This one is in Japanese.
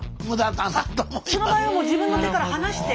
その場合はもう自分の手から離して。